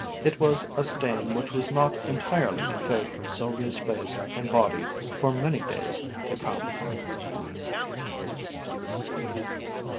It was a stain which was not entirely to fade from Sylvia's face and body for many days to come.